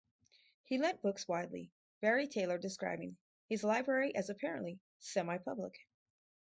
He lent books widely, Barry Taylor describing his library as apparently "semi-public".